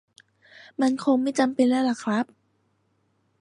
มันคงจะไม่จำเป็นแล้วล่ะครับ